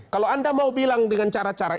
kalau anda mau bilang dengan cara cara